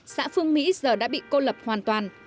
xã phương mỹ giờ đã bị cô lập hoàn toàn